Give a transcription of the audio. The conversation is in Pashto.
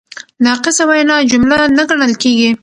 ناقصه وینا جمله نه ګڼل کیږي.